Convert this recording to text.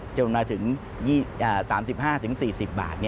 จนมาถึง๓๕๔๐บาท